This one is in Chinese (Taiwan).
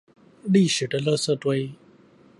歷史的垃圾堆